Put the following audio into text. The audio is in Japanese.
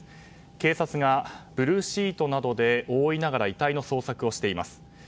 警察がブルーシートなどで覆いながら遺体の捜索をしています。